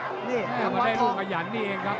คำว่าเรื่องขยันหญิงนี้เองครับ